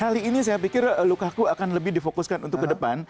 kali ini saya pikir lukaku akan lebih difokuskan untuk ke depan